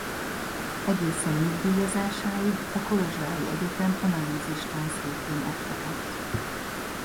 Egészen nyugdíjazásáig a kolozsvári egyetem Analízis Tanszékén oktatott.